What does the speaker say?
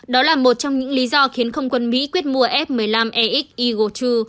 đó là một trong những lý do khiến không quân mỹ quyết mua f một mươi năm ax eagle ii